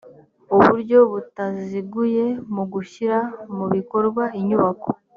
uburyo butaziguye mu gushyira mu bikorwa inyubako